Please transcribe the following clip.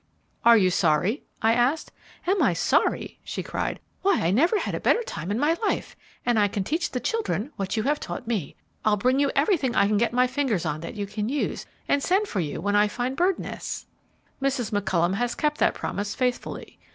"Are you sorry?" I asked. "Am I sorry!" she cried. "Why I never had a better time in my life, and I can teach the children what you have told me. I'll bring you everything I can get my fingers on that you can use, and send for you when I find bird nests." Mrs. McCollum has kept that promise faithfully.